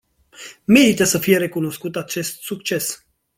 Merită să îi fie recunoscut acest succes.